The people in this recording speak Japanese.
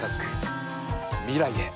未来へ。